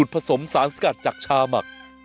ไปค่ะ